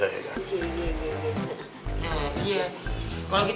tadi saya mau bayarin semuanya